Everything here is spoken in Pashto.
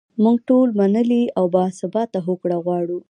موږ ټول منلې او باثباته هوکړه غواړو.